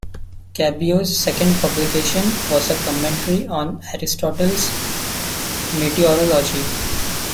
Cabeo's second publication was a commentary on Aristotle's "Meteorology".